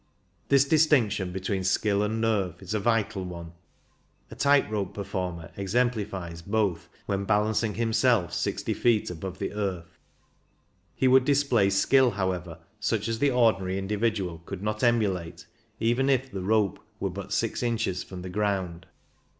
This dis tinction between skill and nerve is a vital one. A tight rope performer exemplifies both when balancing himself sixty feet above the earth; he would display skill, however, such as the ordinary individual could not emulate, even if the rope were WHAT ARE THE RISKS? 205 but six inches from the ground.